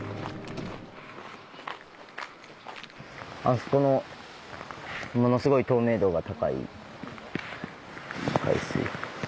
あそこのものすごい透明度が高い海水。